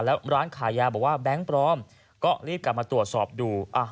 แล้วร้านขายยาบอกว่าแบงค์ปลอมก็รีบกลับมาตรวจสอบดู